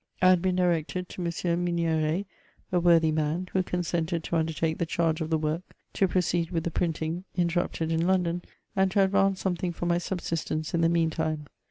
I had been directed to M. Migneret, a worthy man, who consented to un dertake the charge of the work, to proceed with the printing — interrupted in London — and to adyance something for my subsistence in the meantime.